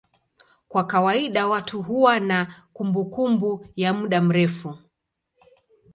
Kwa kawaida watu huwa na kumbukumbu ya muda mrefu.